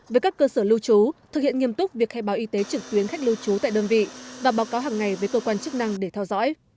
với các cơ sở lưu trú thực hiện nghiêm túc việc khai báo y tế trực tuyến khách lưu trú tại đơn vị và báo cáo hàng ngày với cơ quan chức năng để theo dõi